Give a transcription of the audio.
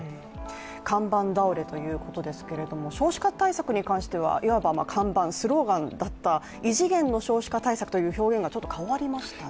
看板倒れということですけども、少子化対策に関してはいわば、看板、スローガンだった、異次元の少子化対策っていうのがちょっと変わりましたね。